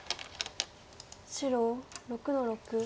白６の六。